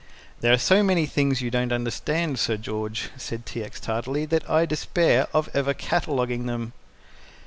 "There are so many things you don't understand, Sir George," said T. X. tartly, "that I despair of ever cataloguing them."